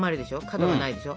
角がないでしょ？